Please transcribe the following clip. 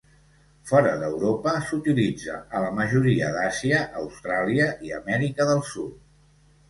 Fora d'Europa, s'utilitza a la majoria d'Àsia, Austràlia i Amèrica del Sud.